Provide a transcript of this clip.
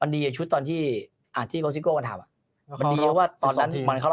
อันดีชุดตอนที่อ่าที่มันทำอ่ะมันดีว่าตอนนั้นมันเข้ารอ